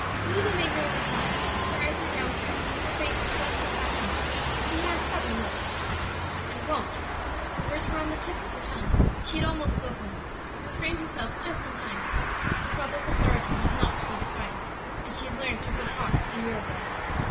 Lulu made no reply; her eyes were downcast, her face was flushed with passion, and wore a stubborn look. "I won't;" the words were on the tip of her tongue; she had almost spoken them, but restrained herself just in time; her father's authority was not to be defied, as she had learned to her cost a year ago.